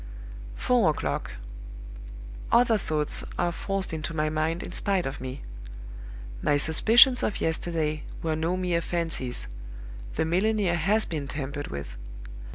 "Four o'clock. Other thoughts are forced into my mind in spite of me. My suspicions of yesterday were no mere fancies; the milliner has been tampered with.